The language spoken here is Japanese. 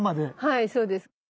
はいそうです。